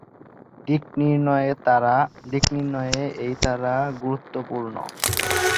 দিক নির্ণয়ে এই তারা গুরুত্বপূর্ণ।